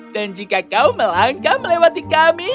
dan jika kau melangkah melewati kami